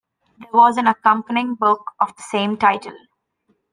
There was an accompanying book of the same title.